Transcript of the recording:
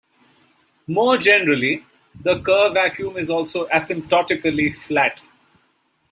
More generally, the Kerr vacuum is also asymptotically flat.